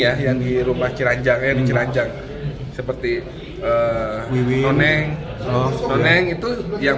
ya yang dirumah ciranjangnya di ciranjang seperti eh wili neneng oh neng itu yang